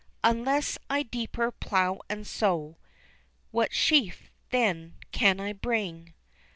Unless I deeper plow and sow, What sheaf, then, can I bring?